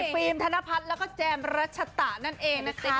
ฟิล์มธนพัฒน์แล้วก็แจมรัชตะนั่นเองนะคะ